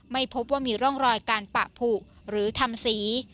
ไม่พบว่ามีร่องรอยการปะผูกหรือทำสี